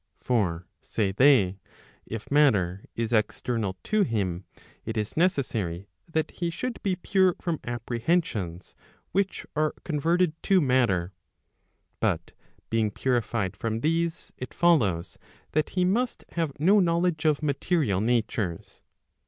] For say they, if matter is external to him, it is necessary that he should be pure from apprehensions which are converted to matter ; but being purified from these, it follows that he must have no knowledge of material natures.